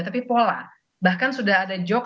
tapi pola bahkan sudah ada joke